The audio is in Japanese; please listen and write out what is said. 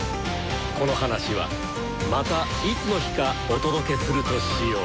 この話はまたいつの日かお届けするとしよう。